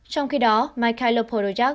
trong khi đó mikhail podolyak